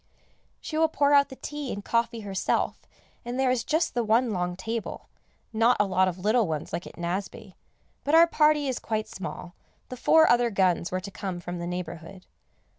She will pour out the tea and coffee herself, and there is just the one long table, not a lot of little ones like at Nazeby; but our party is quite small, the four other guns were to come from the neighbourhood.